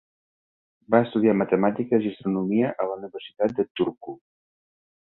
Va estudiar matemàtiques i astronomia a la Universitat de Turku.